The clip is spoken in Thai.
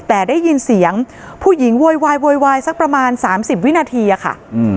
แต่ได้ยินเสียงผู้หญิงโวยวายโวยวายสักประมาณ๓๐วินาทีอะค่ะ